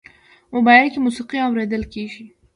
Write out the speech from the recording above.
موبایل کې موسیقي هم اورېدل کېږي.